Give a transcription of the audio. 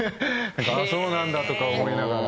ああそうなんだとか思いながら。